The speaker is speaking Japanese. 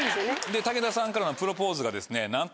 武田さんからのプロポーズがなんと。